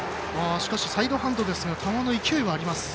しかしサイドハンドですが球の勢いはあります。